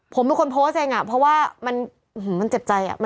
ผมเป็นคนโพสต์เองเพราะว่ามันเจ็บใจ